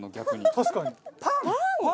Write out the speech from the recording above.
確かに。